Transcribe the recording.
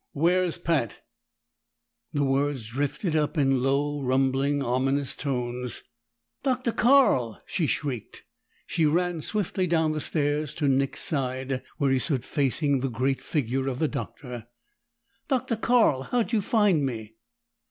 "Where's Pat?" The words drifted up in low, rumbling, ominous tones. "Dr. Carl!" she shrieked. She ran swiftly down the stairs to Nick's side, where he stood facing the great figure of the Doctor. "Dr. Carl! How'd you find me?"